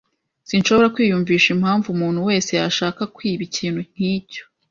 Sinshobora kwiyumvisha impamvu umuntu wese yashaka kwiba ikintu nkicyo.